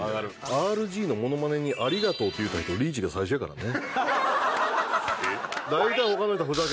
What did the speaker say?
ＲＧのモノマネに、ありがとうと言った人リーチが最初だからね。